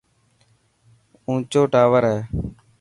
اونچو ٽاور هي.